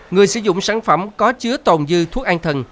người sử dụng sản phẩm có chứa tồn dư thuốc an thần